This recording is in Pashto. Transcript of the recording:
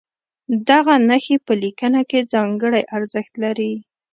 دغه نښې په لیکنه کې ځانګړی ارزښت لري.